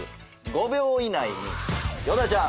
５秒以内に与田ちゃん。